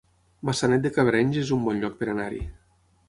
Maçanet de Cabrenys es un bon lloc per anar-hi